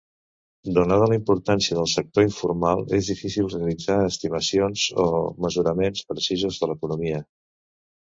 Donada la importància del sector informal és difícil realitzar estimacions o mesuraments precisos de l'economia.